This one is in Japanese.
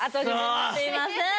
すいません。